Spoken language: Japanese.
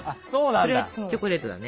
それはチョコレートだね。